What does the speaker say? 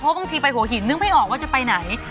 บางทีไปหัวหินนึกไม่ออกว่าจะไปไหน